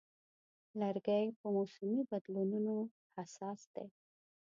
لرګی په موسمي بدلونونو حساس دی.